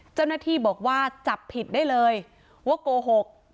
เจ้าหน้าที่บอกว่าจับผิดได้เลยว่าโกหก